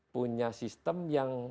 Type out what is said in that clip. punya sistem yang